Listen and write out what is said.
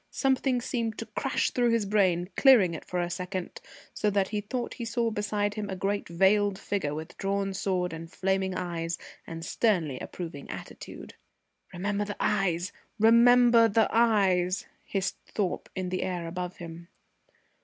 Something seemed to crash through his brain, clearing it for a second, so that he thought he saw beside him a great veiled figure, with drawn sword and flaming eyes, and sternly approving attitude. "Remember the eyes! Remember the eyes!" hissed Thorpe in the air above him.